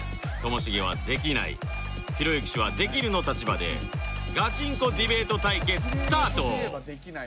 ともしげはできないひろゆき氏はできるの立場でガチンコディベート対決スタート！